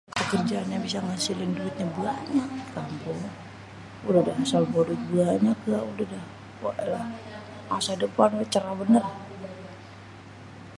ya kerjaan yang bisa ngasilin duit yang banyak di kampung.. udah dah asal bawa duit banyak udah dah.. waélah masa depannyé cerah bênêr..